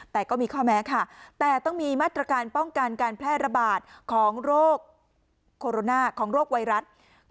แต่ก็มีข้อแม้ค่ะแต่ต้องมีมาตรการป้องกันการแพร่ระบาดของโรคโคโรนาของโรคไวรัส